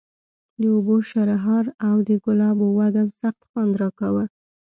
د اوبو شرهار او د ګلابو وږم سخت خوند راکاوه.